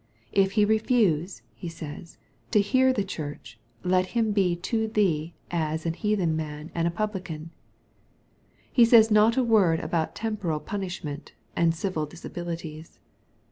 " If he refuse," he says, " to hear the Church, let him be to thee as an heathen man and a publican." He says not a word about temporal punishment, and civil disabilities.